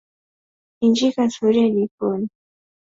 injika sufuria jikoni